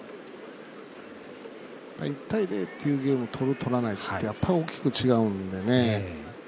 １対０っていうゲームを取る取らないってやっぱ大きく違うんでね。